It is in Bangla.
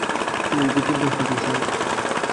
তো, ওই গোপন কাজটা কী, স্যার?